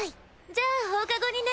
じゃあ放課後にね！